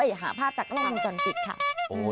แล้วอย่าหาภาพจากล่องจนผิดค่ะ